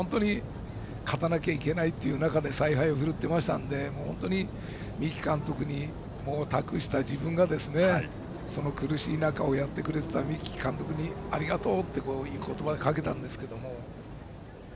勝たなきゃいけないという中で采配を振るっていましたので三木監督に託した自分がその苦しい中よくやってくれた三木監督にありがとうっていう言葉をかけたんですけども。